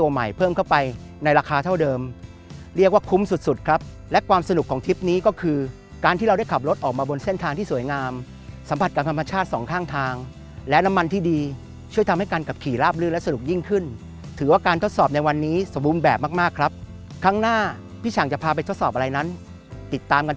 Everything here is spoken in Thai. ใหม่เพิ่มเข้าไปในราคาเท่าเดิมเรียกว่าคุ้มสุดสุดครับและความสนุกของทริปนี้ก็คือการที่เราได้ขับรถออกมาบนเส้นทางที่สวยงามสัมผัสกับธรรมชาติสองข้างทางและน้ำมันที่ดีช่วยทำให้การขับขี่ราบลื่นและสนุกยิ่งขึ้นถือว่าการทดสอบในวันนี้สมบูรณ์แบบมากมากครับครั้งหน้าพี่ฉ่างจะพาไปทดสอบอะไรนั้นติดตามกัน